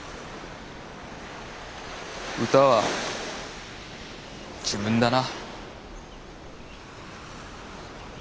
歌は自分だな。